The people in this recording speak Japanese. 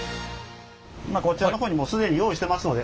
こちらの方にもう既に用意してますので。